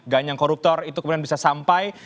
ganjang koruptor itu kemudian bisa sampai